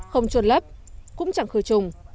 không chuột lấp cũng chẳng khờ trùng